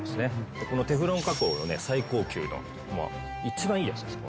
でこのテフロン加工がね最高級のもう一番いいやつです